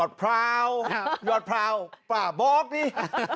หยอดพราวปลาบอกนี่